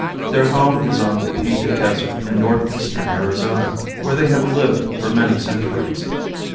Their home is on the Painted Desert in northeastern Arizona where they have lived for many centuries.